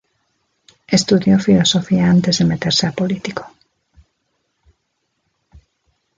Estudió filosofía antes de meterse a político.